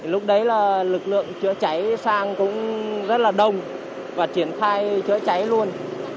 lúc đấy là lực lượng chữa cháy sang cũng rất là đông và triển khai chữa cháy luôn